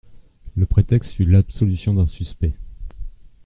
Le prétexte fut l'absolution d'un suspect.